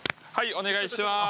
お願いします。